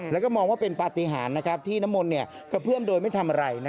แล้วก็มองว่าเป็นปฏิหารที่น้ำมนต์กระเพื่อมโดยไม่ทำอะไร